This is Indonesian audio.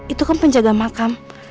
itu kan penjaga makam